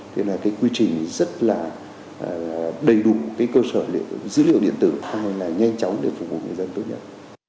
thế là cái quy trình rất là đầy đủ cái cơ sở dữ liệu điện tử là nhanh chóng để phục vụ người dân tốt nhất